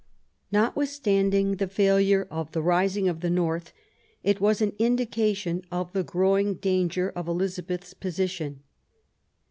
Notwithstanding the failure of the rising of the north, it was an indication of the growing danger of Elizabeth's position.